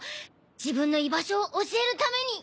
自分の居場所を教えるために！